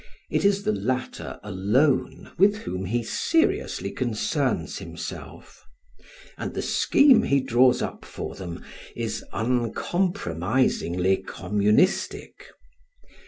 It is the latter alone with whom he seriously concerns himself; and the scheme he draws up for them is uncompromisingly communistic.